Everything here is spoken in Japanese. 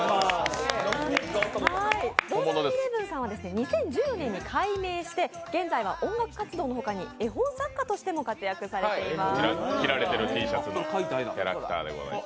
ＤＯＺＡＮ１１さんは２０１４年に改名して現在は音楽活動の他に絵本作家としても活躍されています。